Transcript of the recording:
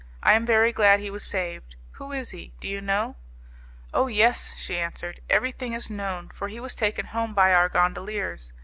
I am very glad he was saved. Who is he? Do you know?' 'Oh! yes,' she answered, 'everything is known, for he was taken home by our gondoliers.